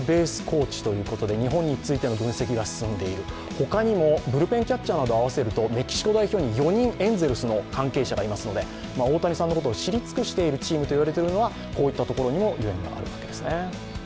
他にもブルペンキャッチャーなども合わせるとメキシコ代表に４人エンゼルスの関係者がいますので、大谷さんのことを知り尽くしているチームというのはこういったところにもゆえんがあるわけですね。